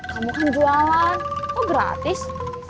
kamu kan jualan oh gratis